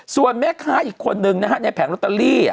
ส่วนแม่ค้าอีกคนนึงนะฮะในแผงลอตเตอรี่